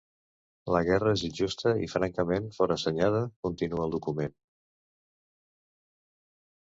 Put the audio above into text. La guerra és injusta i francament forassenyada, continua el document.